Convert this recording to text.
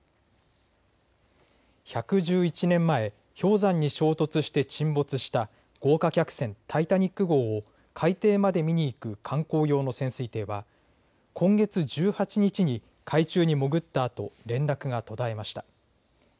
１１１年前、氷山に衝突して沈没した豪華客船タイタニック号を海底まで見に行く観光用の潜水艇は今月１８日に海中に潜ったあと連絡が途絶えました。